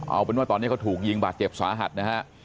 เอาเป็นว่าตอนนี้เขาถูกยิงบาดเจ็บสาหัสนะฮะ